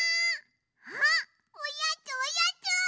あっおやつおやつ！